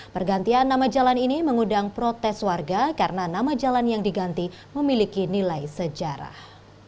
pergantian nama jalan ini mengundang protes warga karena nama jalan yang diganti memiliki nilai sejarah